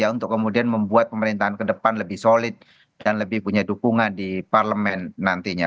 untuk kemudian membuat pemerintahan ke depan lebih solid dan lebih punya dukungan di parlemen nantinya